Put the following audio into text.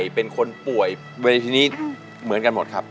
ผู้ใหญ่เป็นคนป่วยเวลาที่นี่เหมือนกันหมดครับ